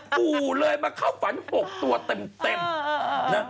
ปู่เลยมาเข้าฝัน๖ตัวเต็มนะ